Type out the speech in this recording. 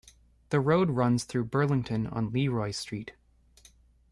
The road runs through Burlington on Leroy Street.